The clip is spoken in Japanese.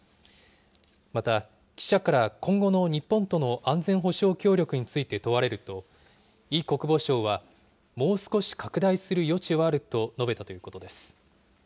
また、記者から今後の日本との安全保障協力について問われると、イ国防相は、もう少し拡大する余地はあると述べたということです。